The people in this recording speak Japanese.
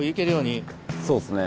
そうっすね。